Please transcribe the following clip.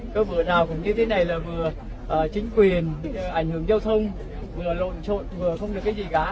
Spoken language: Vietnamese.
cứ vừa nào cũng như thế này là vừa chính quyền ảnh hưởng giao thông vừa lộn trộn vừa không được cái gì gá